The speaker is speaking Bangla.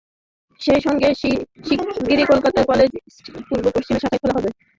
সেই সঙ্গে শিগগিরই কলকাতার কলেজ স্ট্রিটে পূর্ব পশ্চিমের শাখা খোলা হবে।